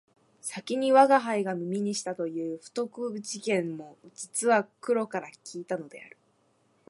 先に吾輩が耳にしたという不徳事件も実は黒から聞いたのである